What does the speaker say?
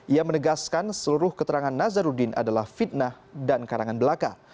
ia menegaskan seluruh keterangan nazarudin adalah fitnah dan karangan belaka